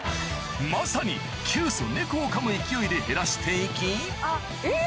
まさに窮鼠猫をかむ勢いで減らして行きえっ